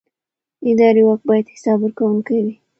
اداري واک باید حساب ورکوونکی وي.